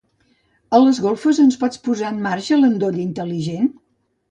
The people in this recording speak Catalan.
A les golfes ens pots posar en marxa l'endoll intel·ligent?